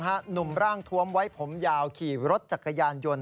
หนุ่มร่างทวมไว้ผมยาวขี่รถจักรยานยนต์